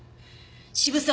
渋沢